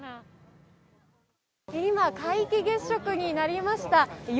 今、皆既月食になりました。